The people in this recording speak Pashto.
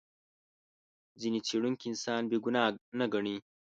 ځینې څېړونکي انسان بې ګناه نه ګڼي.